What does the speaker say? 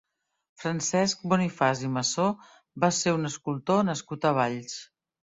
Francesc Bonifaç i Massó va ser un escultor nascut a Valls.